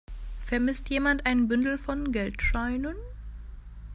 Vermisst jemand ein Bündel von Geldscheinen?